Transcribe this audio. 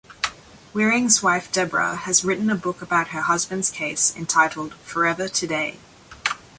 Wearing's wife Deborah has written a book about her husband's case entitled "Forever Today".